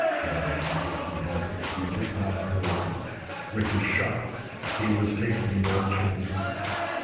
Now he had it he did not hurry. With this shot he was taking no chances.